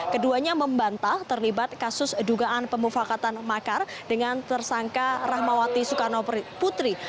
keduanya membantah terlibat kasus dugaan pemufakatan makar dengan tersangka rahmawati soekarno putri